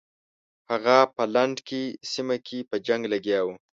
هغه په لنډکي سیمه کې په جنګ لګیا وو.